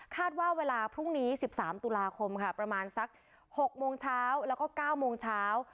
ว่าเวลาพรุ่งนี้๑๓ตุลาคมค่ะประมาณสัก๖โมงเช้าแล้วก็๙โมงเช้า